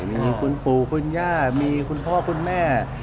มีคุณปู่คุณย่ามีคุณพ่อคุณแม่